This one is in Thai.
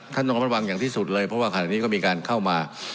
ต้องระวังอย่างที่สุดเลยเพราะว่าขณะนี้ก็มีการเข้ามา